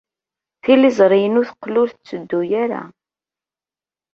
Tiliẓri-inu teqqel ur tetteddu ara.